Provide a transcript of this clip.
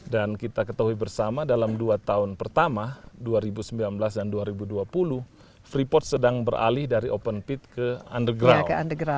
dan kita ketahui bersama dalam dua tahun pertama dua ribu sembilan belas dan dua ribu dua puluh freeport sedang beralih dari open pit ke underground